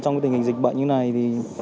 trong cái tình hình dịch bệnh như này thì